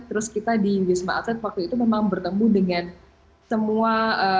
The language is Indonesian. terus kita di wisma atlet waktu itu memang bertemu dengan semua